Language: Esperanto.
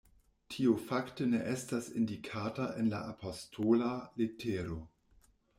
Tio fakte ne estas indikata en la apostola letero”.